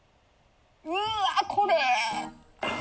うわこれ！